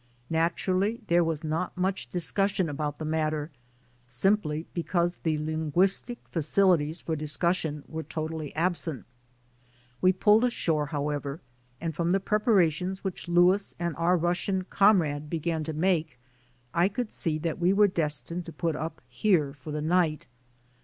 Naturally there was not much discussion about the matter simply be cause the linguistic facilities for discussion were totally absent. We pulled ashore, however, and from the preparations which Louis and our Rus sian "comrade" began to make, I could see that we were destined to put up here for the night.